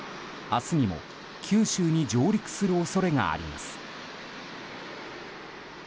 明日にも九州に上陸する恐れがあります。